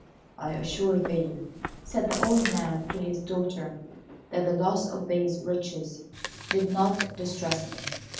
"I assure thee," said the old man to his daughter, "that the loss of these riches did not distress me.